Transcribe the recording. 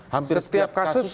hampir setiap kasus